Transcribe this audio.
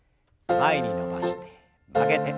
前に伸ばして曲げて。